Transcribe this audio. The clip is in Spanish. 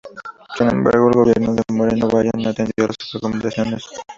Sin embargo, el gobierno de Moreno Valle no atendió a las recomendaciones.